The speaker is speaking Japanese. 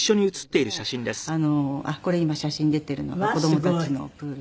あっこれ今写真出ているのが子供たちのプール。